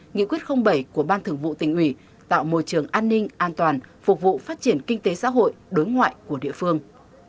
nghị quyết bảy của ban thường vụ tỉnh ủy tạo môi trường an ninh an toàn phục vụ phát triển kinh tế xã hội đối ngoại của địa phương